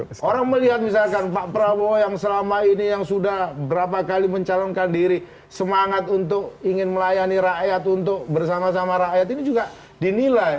kalau orang melihat misalkan pak prabowo yang selama ini yang sudah berapa kali mencalonkan diri semangat untuk ingin melayani rakyat untuk bersama sama rakyat ini juga dinilai